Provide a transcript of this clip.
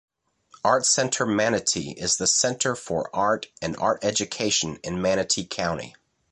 ArtCenter Manatee is the center for art and art education in Manatee County.